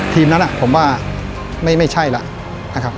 ทีมนั้นผมว่าไม่ใช่แล้วนะครับ